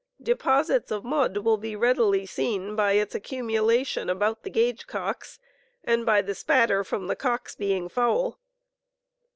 , Deposits of mud will be readily seen by its accumulation about the gauge cocks and by the "spatter" from the cocks being foul.